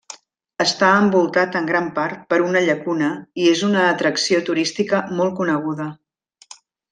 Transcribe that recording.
Està envoltat en gran part per una llacuna i és una atracció turística molt coneguda.